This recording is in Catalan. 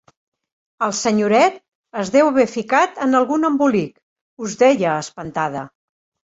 El senyoret es deu haver ficat en algun embolic –us deia, espantada–.